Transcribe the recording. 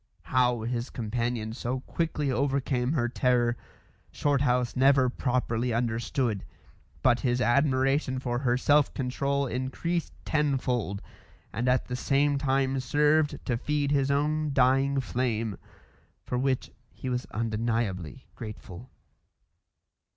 How his companion so quickly overcame her terror, Shorthouse never properly understood; but his admiration for her self control increased tenfold, and at the same time served to feed his own dying flame for which he was undeniably grateful.